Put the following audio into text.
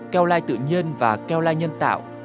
keo lai tự nhiên và keo lai nhân tạo